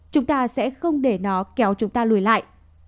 chúng ta sẽ không để nó kéo chúng ta lùi lại